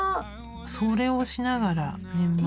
それをしながら年末の。